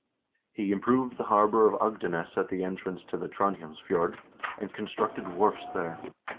1 He improved the harbor of Agdenes at the entrance to the Trondhjemsfjord, and constructed wharfs there.